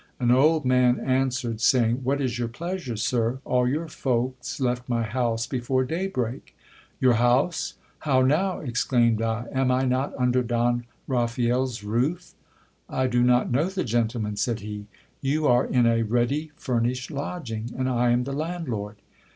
An old man answer ed, saying— What is your pleasure, sir? All your folks left my house before day break. Your house ! How now ! exclaimed I ; am I not under Don Ra phael's roof? I do not know the gentleman, said he. You are in a ready furnished lodging, and I am the landlord.